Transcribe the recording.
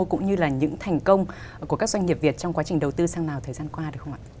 cũng như là những thành công của các doanh nghiệp việt trong quá trình đầu tư sang lào thời gian qua được không ạ